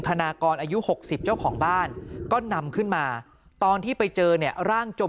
นากรอายุ๖๐เจ้าของบ้านก็นำขึ้นมาตอนที่ไปเจอเนี่ยร่างจม